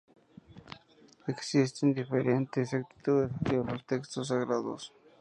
Existen diferentes actitudes hacia los textos sagrados.